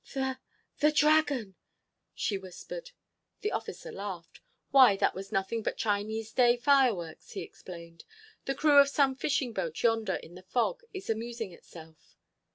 "The—the Dragon," she whispered. The officer laughed. "Why, that was nothing but Chinese day fireworks," he explained. "The crew of some fishing boat yonder in the fog is amusing itself."